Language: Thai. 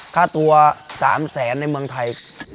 ค่าตัว๓แสนในเมืองไทย